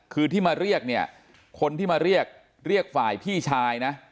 คือที่มาเรียกเนี่ยคนที่มาเรียกเรียกฝ่ายพี่ชายนะ